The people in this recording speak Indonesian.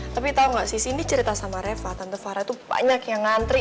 tapi tau gak sih sini cerita sama reva tante farah tuh banyak yang ngantri